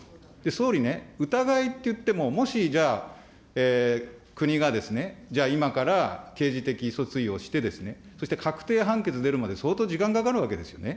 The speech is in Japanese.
総理ね、疑いっていっても、もし、じゃあ、国がじゃあ、今から刑事的訴追をしてですね、そして確定判決出るまで、相当時間かかるわけですよね。